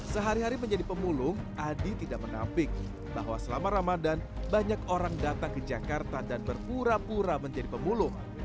sehari hari menjadi pemulung adi tidak menampik bahwa selama ramadan banyak orang datang ke jakarta dan berpura pura menjadi pemulung